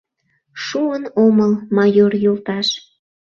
Шуын омыл, майор йолташ.